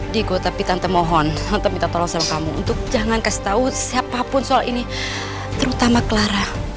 digo tapi tante mohon tante minta tolong sama kamu untuk jangan kasih tau siapapun soal ini terutama clara